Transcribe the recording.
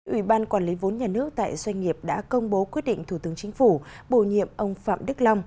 ủy ban quản lý vốn nhà nước tại doanh nghiệp đã công bố quyết định thủ tướng chính phủ bổ nhiệm ông phạm đức long